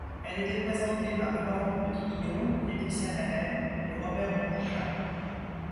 Elle était présentée par Laurent Petitguillaume, Laëtitia Nallet et Robert Longechal.